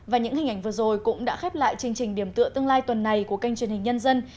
và những hình ảnh vừa rồi cũng đã khép lại chương trình điểm tựa tương lai tuần này của kênh truyền hình nhân dân